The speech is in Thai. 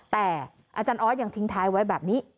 แต่อาจารย์ออสยังทิ้งท้ายไว้แบบนี้